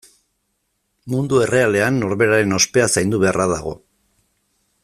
Mundu errealean norberaren ospea zaindu beharra dago.